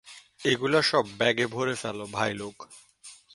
এগুলো সব ব্যাগে ভরে ফেল, ভাইলোগ।